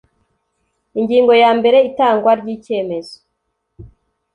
Ingingo yambere Itangwa ry icyemezo